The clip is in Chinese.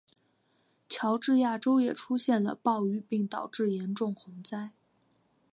乔治亚州也出现了暴雨并导致严重洪灾。